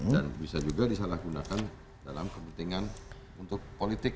dan bisa juga disalahgunakan dalam kepentingan untuk politik